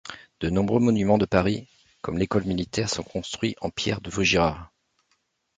De nombreux monuments de Paris, comme l'École militaire, sont construits en pierre de Vaugirard.